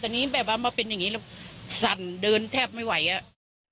แต่นี่แบบว่ามาเป็นอย่างนี้แล้วสั่นเดินแทบไม่ไหวอ่ะ